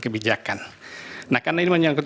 kebijakan nah karena ini menyangkut